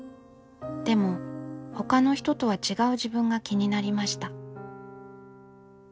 でもほかの人とは違う自分が気になりました。